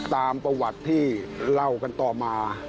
ตามประวัติที่เล่ากันต่อมา